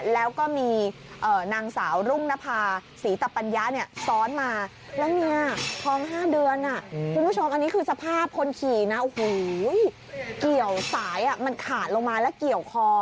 แล้วเนี่ยท้อง๕เดือนคุณผู้ชมอันนี้คือสภาพคนขี่นะโอ้โหเกี่ยวสายมันขาดลงมาแล้วเกี่ยวคอ